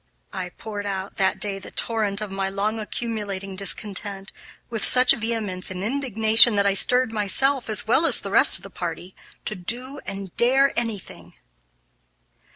I poured out, that day, the torrent of my long accumulating discontent, with such vehemence and indignation that I stirred myself, as well as the rest of the party, to do and dare anything.